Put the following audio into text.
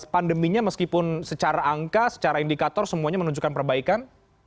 pandeminya meskipun secara angka secara indikator semuanya menunjukkan perbaikan